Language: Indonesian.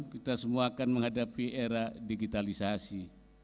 kita semua akan menghadapi era digitalisasi